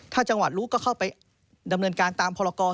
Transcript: ถ้าจังหวัดรู้ก็เข้าไปดำเนินการตามพรกร